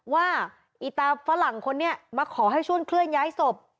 อีตาฝรั่งคนนี้มาขอให้ช่วยเคลื่อนย้ายศพ